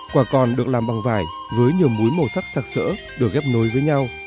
quả còn được làm bằng vải với nhiều muối màu sắc sạc sỡ được ghép nối với nhau